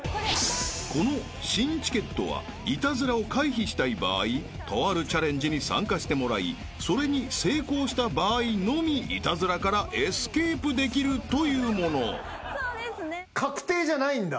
［この新チケットはイタズラを回避したい場合とあるチャレンジに参加してもらいそれに成功した場合のみイタズラからエスケープできるというもの］確定じゃないんだ。